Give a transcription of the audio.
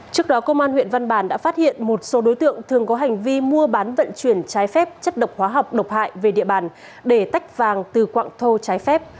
trước đó công an huyện văn bàn đã phát hiện một số đối tượng thường có hành vi mua bán vận chuyển trái phép chất độc hóa học độc hại về địa bàn để tách vàng từ quạng thô trái phép